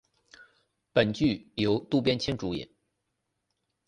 本剧由渡边谦主演。